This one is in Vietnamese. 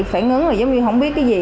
phải ngứng là giống như không biết cái gì